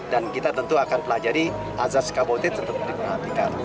dan kita tentu akan pelajari azar sekabotet untuk diperhatikan